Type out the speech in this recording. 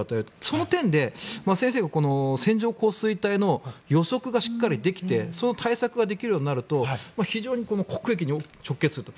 その点で、先生が線状降水帯の予測がしっかりできてその対策ができるようになると非常に国益に直結すると。